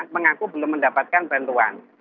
mengaku belum mendapatkan bantuan